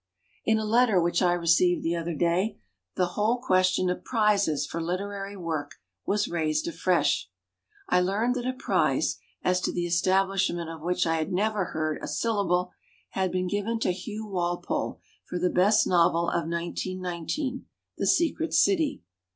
««In a letter which I received the other day the whole question of prizes for literary work was raised afresh. I learned that a prize, as to the estab lishment of which I had never heard a syllable, had been given to Hugh Wal pole for the best novel of 1919 — "The Secret City".